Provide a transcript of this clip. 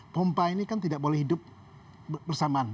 pompa ini kan tidak boleh hidup bersamaan